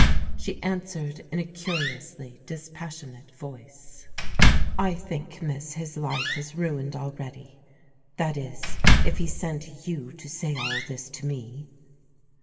She answered in a curiously dispassionate voice: "I think, miss, his life is ruined already; that is, if he sent you to say all this to me."